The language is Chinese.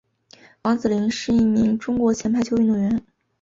王子凌是一名中国前排球运动员。